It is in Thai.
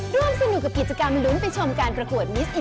แต่สีปากไม่ค่อยมี